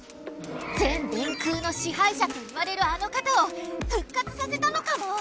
全電空のしはいしゃといわれるあの方を復活させたのかも。